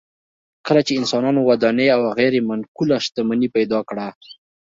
کله چې انسانانو ودانۍ او غیر منقوله شتمني پیدا کړه